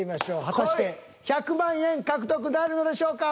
果たして１００万円獲得なるのでしょうか？